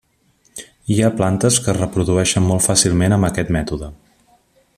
Hi ha plantes que es reprodueixen molt fàcilment amb aquest mètode.